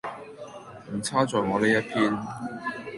唔差在我呢一篇～